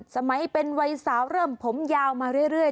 สมัยเป็นวัยสาวเริ่มผมยาวมาเรื่อย